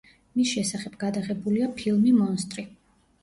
მის შესახებ გადაღებულია ფილმი „მონსტრი“.